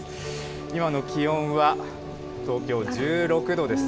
今の気温は東京１６度です。